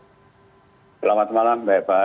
selamat malam mbak eva